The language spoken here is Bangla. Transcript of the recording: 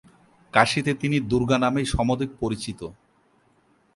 কাশীতে তিনি দুর্গা নামেই সমধিক পরিচিত।